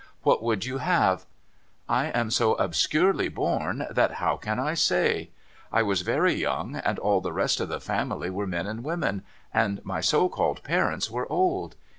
' What would you have ? I am so obscurely born, that how can I say ? I was very young, and all the rest of the family were men and women, and my so called parents were old.